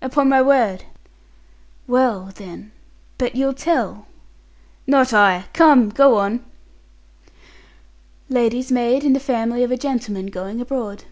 "Upon my word." "Well, then but you'll tell?" "Not I. Come, go on." "Lady's maid in the family of a gentleman going abroad."